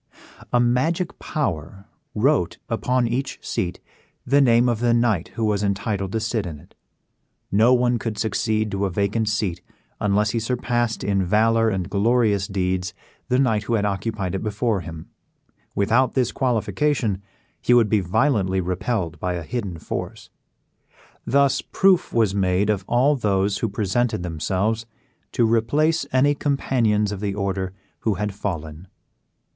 A magic power wrote upon each seat the name of the knight who was entitled to sit in it. No one could succeed to a vacant seat unless he surpassed in valor and glorious deeds the knight who had occupied it before him; without this qualification he would be violently repelled by a hidden force. Thus proof was made of all those who presented themselves to replace any companions of the order who had fallen.